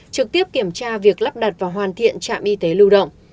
trực tiếp kiểm tra việc lắp đặt và hoàn thiện trạm y tế lưu động